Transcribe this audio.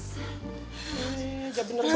eh jawab bener bae